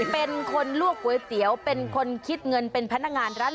เป็นคนลวกก๋วยเตี๋ยวเป็นคนคิดเงินเป็นพนักงานร้าน